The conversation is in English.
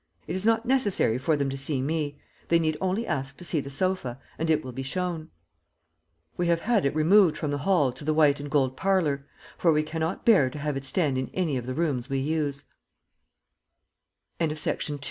It is not necessary for them to see me; they need only ask to see the sofa, and it will be shown. We have had it removed from the hall to the white and gold parlor, for we cannot bear to have it stand in any of the